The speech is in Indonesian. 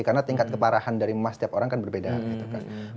karena tingkat keparahan dari emas tiap orang kan berbeda gitu kan